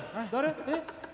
えっ。